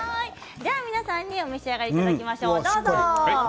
皆さんにお召し上がりいただきましょう。